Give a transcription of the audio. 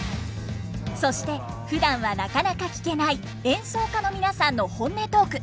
そしてふだんはなかなか聞けない演奏家の皆さんの本音トーク。